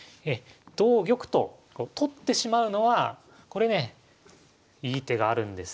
同玉と取ってしまうのはこれねいい手があるんですね。